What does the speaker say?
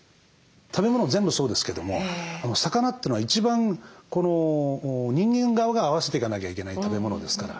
食べ物全部そうですけども魚というのは一番人間側が合わせていかなきゃいけない食べ物ですから。